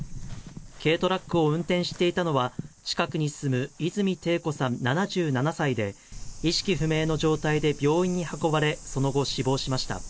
軽トラックを運転していたのは、近くに住む泉テイ子さん７７歳で、意識不明の状態で病院に運ばれ、その後、死亡しました。